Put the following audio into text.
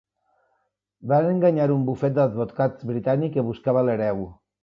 Van enganyar un bufet d'advocats britànic que buscava l'hereu.